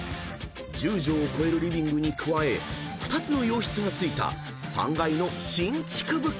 ［１０畳を超えるリビングに加え２つの洋室が付いた３階の新築物件］